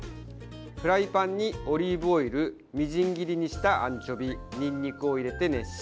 フライパンにオリーブオイルみじん切りにしたアンチョビにんにくを入れて熱し